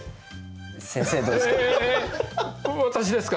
先生どうですか？